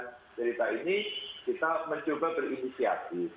dengan cerita ini kita mencoba berinisiasi